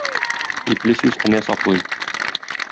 Ипле сүз энә саплый.